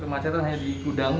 kemacetan hanya di gudang